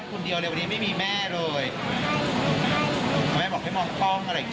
ก็อยากมองค่ะ